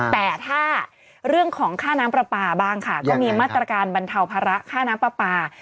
แต่ถ้าเรื่องของค่าน้ำปลาปลาบ้างค่ะก็มีมาตรการบรรเทาภาระค่าน้ำปลา